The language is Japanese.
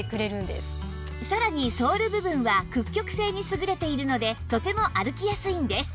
さらにソール部分は屈曲性に優れているのでとても歩きやすいんです